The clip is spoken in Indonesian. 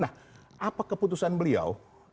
nah apa keputusan beliau